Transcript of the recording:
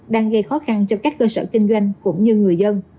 đang gây khó khăn cho các cơ sở kinh doanh cũng như người dân